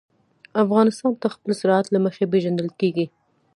افغانستان د خپل زراعت له مخې پېژندل کېږي.